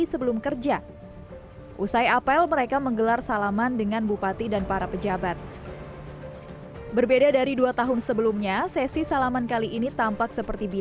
sebelum kerja dikawal